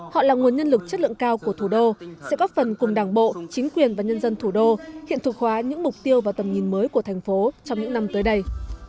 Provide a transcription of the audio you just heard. họ là nguồn nhân lực chất lượng cao của thủ đô sẽ góp phần cùng đảng bộ chính quyền và nhân dân thủ đô hiện thực hóa những mục tiêu và tầm nhìn mới của thành phố trong những năm tới đây